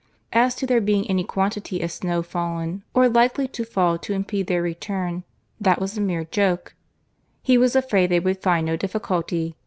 As to there being any quantity of snow fallen or likely to fall to impede their return, that was a mere joke; he was afraid they would find no difficulty.